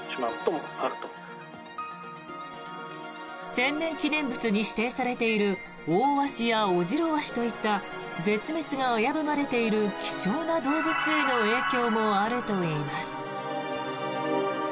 天然記念物に指定されているオオワシやオジロワシといった絶滅が危ぶまれている希少な動物への影響もあるといいます。